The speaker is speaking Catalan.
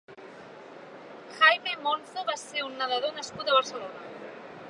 Jaime Monzo va ser un nedador nascut a Barcelona.